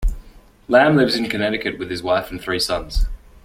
Lamb lives in Connecticut with his wife and three sons.